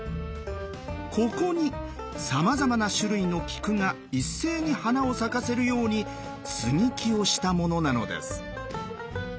ここにさまざまな種類の菊が一斉に花を咲かせるように「接ぎ木」をしたものなのです。